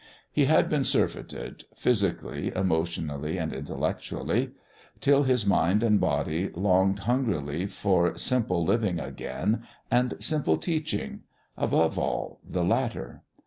He had been surfeited, physically, emotionally, and intellectually, till his mind and body longed hungrily for simple living again and simple teaching above all, the latter.